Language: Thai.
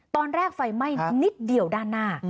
ตอนแรกไฟไหม้นิดเดียวด้านหน้า